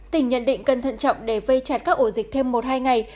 tỉnh nhận định cần thận trọng để vây chặt các ổ dịch thêm một hai ngày